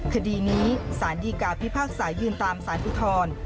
คดีนี้สารดีกาพิพากษายืนตามสารอุทธร